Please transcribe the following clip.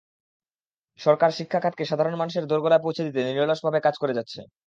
সরকার শিক্ষা খাতকে সাধারণ মানুষের দোরগোড়ায় পৌঁছে দিতে নিরলসভাবে কাজ করে যাচ্ছে।